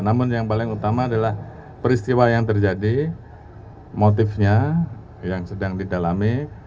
namun yang paling utama adalah peristiwa yang terjadi motifnya yang sedang didalami